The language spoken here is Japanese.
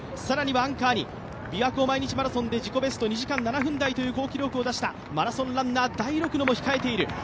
更にはアンカーにびわ湖毎日マラソンで自己ベスト２時間７分台という好記録を出したマラソンランナー、大六野も控えている。